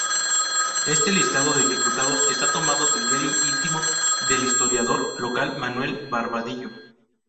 Este listado de ejecutados está tomado del diario íntimo del historiador local Manuel Barbadillo.